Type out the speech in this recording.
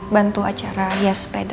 bantu acara hias sepeda